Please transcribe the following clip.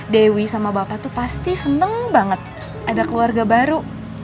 dewi sama bapak tuh pasti senang banget ada keluarga baru